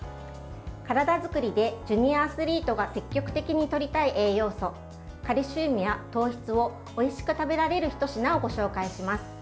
体作りでジュニアアスリートが積極的にとりたい栄養素カルシウムや糖質をおいしく食べられるひと品をご紹介します。